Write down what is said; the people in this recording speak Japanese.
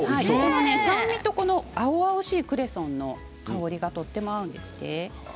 酸味と青々しいクレソンの香りがとても合うんですね。